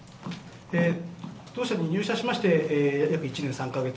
当社に入社しまして約１年３か月。